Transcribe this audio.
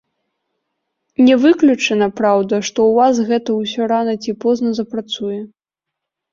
Не выключана, праўда, што ў вас гэта усё рана ці позна запрацуе.